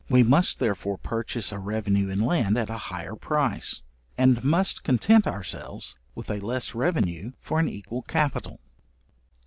We must therefore purchase a revenue in land at a higher price, and must content ourselves with a less revenue for an equal capital.